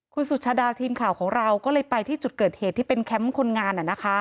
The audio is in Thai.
คุณสุชาดาทีมข่าวของเราก็เลยไปที่จุดเกิดเหตุที่เป็นแคมป์คนงาน